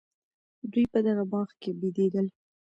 دوی په دغه باغ کي بېدېدل.